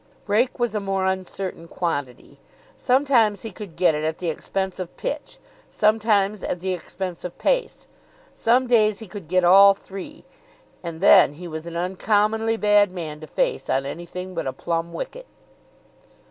Break was a more uncertain quantity. Sometimes he could get it at the expense of pitch, sometimes at the expense of pace. Some days he could get all three, and then he was an uncommonly bad man to face on anything but a plumb wicket.